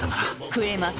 食えます！